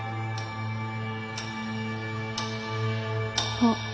あっ。